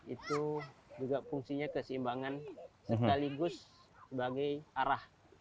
itu juga fungsinya keseimbangan sekaligus sebagai arah